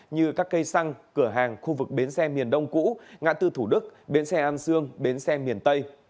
như các cây xăng cửa hàng khu vực bến xe miền đông cũ ngã tư thủ đức bến xe an sương bến xe miền tây